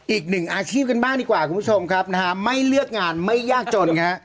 อีกหนึ่งอาชีพกันบ้างดีกว่าคุณผู้ชมครับนะฮะไม่เลือกงานไม่ยากจนฮะ